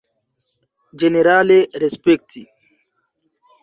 Ĝenerale respekti!